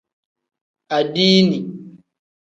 Adiini.